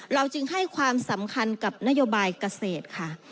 จึงให้ความสำคัญกับนโยบายเกษตรค่ะ